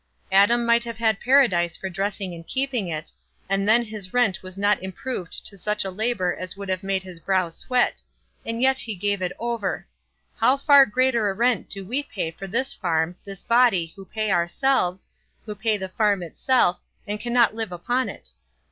Adam might have had Paradise for dressing and keeping it; and then his rent was not improved to such a labour as would have made his brow sweat; and yet he gave it over; how far greater a rent do we pay for this farm, this body, who pay ourselves, who pay the farm itself, and cannot live upon it!